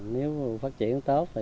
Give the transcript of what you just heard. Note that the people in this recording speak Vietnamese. nếu phát triển tốt thì